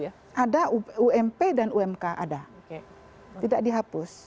ada ump dan umk ada tidak dihapus